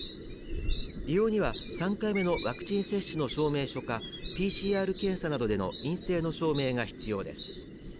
利用には３回目のワクチン接種の証明書かＰＣＲ検査などでの陰性の証明が必要です。